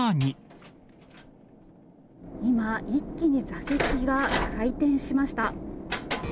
今、一気に座席が回転しました。